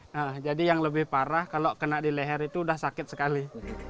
nah jadi yang lebih parah kalau kena di leher itu sudah sakit sekali